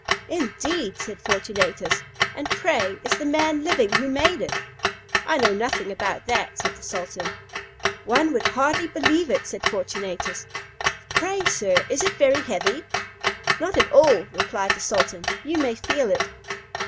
"Indeed!" said Fortunatus; "and pray, is the man living who made it?" "I know nothing about that," said the sultan. "One would hardly believe it," said Fortunatus. "Pray, sir, is it very heavy?" "Not at all," replied the sultan; "you may feel it."